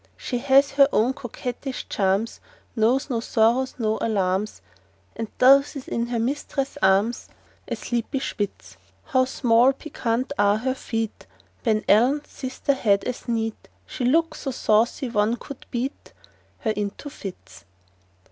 She has her own coquettish charms, Knows no sorrows, no alarms, And dozes in her mistress' arms— A sleepy Spitz. How small and piquant are her feet— Ben Allen's sister had as neat— She looks so saucy, one could beat Her into fits.